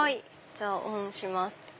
じゃあオンします。